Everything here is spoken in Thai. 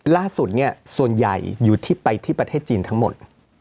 ล่าสุดเนี่ยส่วนใหญ่อยู่ที่ไปที่ประเทศจีนทั้งหมด